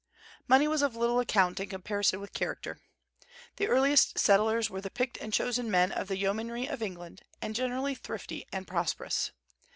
Money was of little account in comparison with character. The earliest settlers were the picked and chosen men of the yeomanry of England, and generally thrifty and prosperous.